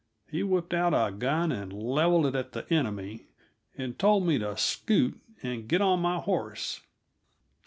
He whipped out a gun and leveled it at the enemy, and told me to scoot and get on my horse.